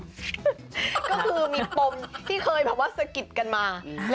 ก็คือมีปมที่เคยแบบว่าสะกิดกันมา